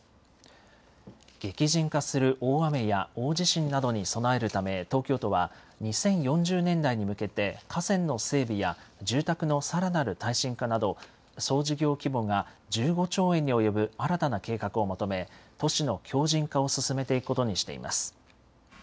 激甚化する大雨や大地震などに備えるため、東京都は、２０４０年代に向けて、河川の整備や住宅のさらなる耐震化など、総事業規模が１５兆円に及ぶ新たな計画をまとめ、都市の強じん化を進めていくことにしています。